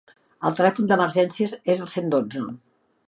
El telèfon d'emergències és el cent dotze.